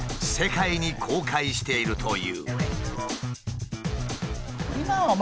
世界に公開しているという。